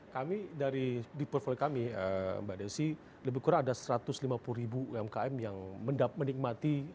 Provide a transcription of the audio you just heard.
kami dari di portfolio kami mbak desi lebih kurang ada satu ratus lima puluh ribu umkm yang menikmati